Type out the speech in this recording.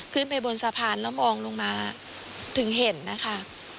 ขึ้นไปบนสะพานแล้วมองลงมาถึงเห็นนะคะ